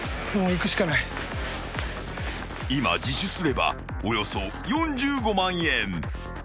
［今自首すればおよそ４５万円。